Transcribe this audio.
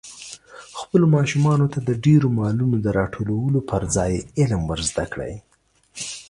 خپلو ماشومانو ته د ډېرو مالونو د راټولولو پر ځای علم ور زده کړئ.